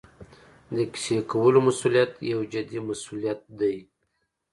د کیسې کولو مسوولیت یو جدي مسوولیت دی.